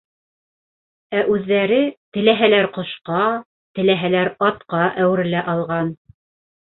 Ә үҙҙәре теләһәләр ҡошҡа, теләһәләр атҡа әүерелә алған.